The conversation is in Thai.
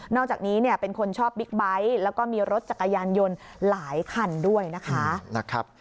จากนี้เนี่ยเป็นคนชอบบิ๊กไบท์แล้วก็มีรถจักรยานยนต์หลายคันด้วยนะคะ